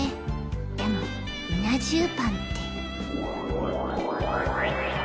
でもうな重パンって。